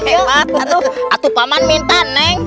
hebat atu atu paman minta nen